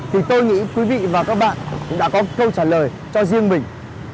thì tôi nghĩ quý vị và các bạn cũng đã có câu trả lời cho riêng mình